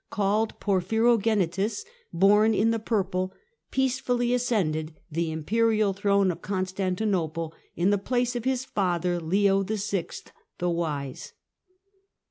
called Por phyrogenitus (bor7i m the purple), peacefully ascended the imperial throne of Constantinople, in the place of his father, Leo VI., " the Wise."